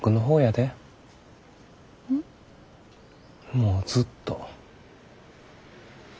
もうずっと。